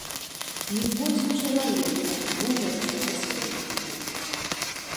Ніводзін чалавек там не можа адчуваць сябе нармальна.